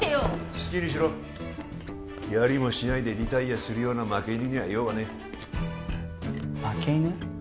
好きにしろやりもしないでリタイアするような負け犬には用はねえ負け犬？